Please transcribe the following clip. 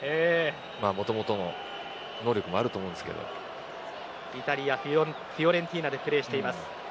もともとの能力もイタリアフィオレンティーナでプレーしています。